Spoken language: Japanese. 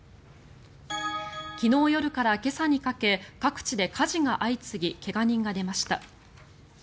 昨日夜から今朝にかけ各地で火事が相次ぎ怪我人が出ました。